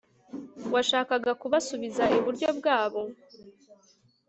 Washakaga kubasubiza iburyo bwabo